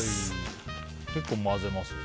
結構混ぜますね。